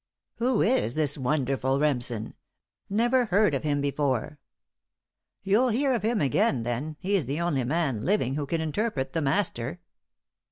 "Who is this wonderful Remsen? Never heard of him before." "You'll hear of him again, then. He's the only man living who can interpret the master."